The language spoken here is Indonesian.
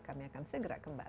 kami akan segera kembali